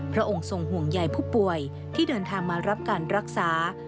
พระองค์ทรงห่วงใยผู้ป่วยที่เดินทางมารับการรักษา